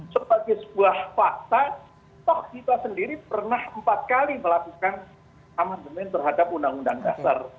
sebagai sebuah fakta toh kita sendiri pernah empat kali melakukan amandemen terhadap undang undang dasar